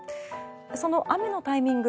その雨のタイミング